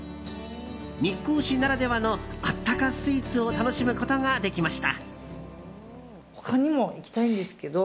日光市ならではのあったかスイーツを楽しむことができました。